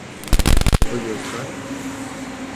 Вы не устали?